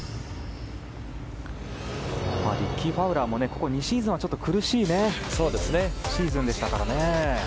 リッキー・ファウラーもここ２シーズンは苦しいシーズンでしたからね。